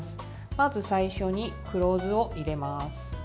まず最初に黒酢を入れます。